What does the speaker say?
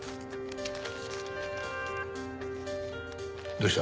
どうした？